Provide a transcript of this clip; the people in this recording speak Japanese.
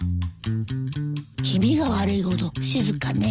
気味が悪いほど静かね。